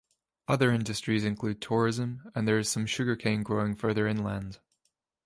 Other industries include tourism and there is some sugar cane growing further inland.